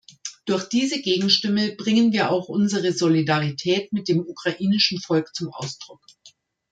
Durch diese Gegenstimme bringen wir auch unsere Solidarität mit dem ukrainischen Volk zum Ausdruck.